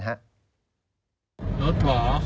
รถหวอขอทางประมาณ๑๐นาทีแล้ว